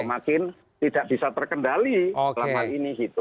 makin tidak bisa terkendali selama ini gitu